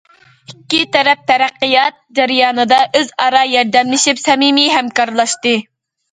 ئىككى تەرەپ تەرەققىيات جەريانىدا ئۆز ئارا ياردەملىشىپ، سەمىمىي ھەمكارلاشتى.